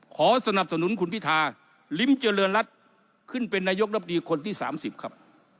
ขอสนับสนุนคุณพิธาลิ้มเจริญรัฐขึ้นเป็นนายกรับดีคนที่๓๐ครับ